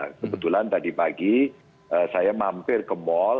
kebetulan tadi pagi saya mampir ke mal